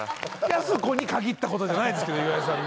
やす子に限ったことじゃないですけど岩井さんのは。